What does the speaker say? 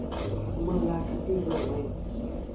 سُومڻ لآ کٽيٚن با اوهيݩ۔